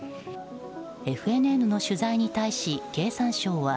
ＦＮＮの取材に対し経産省は